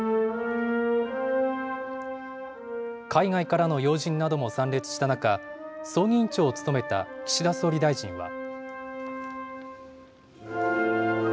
海外からの要人なども参列した中、葬儀委員長を務めた岸田総理大臣は。